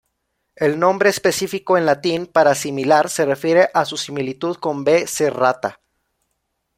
El nombre específico, en latín para "similar", se refiere a su similitud con "B.serrata.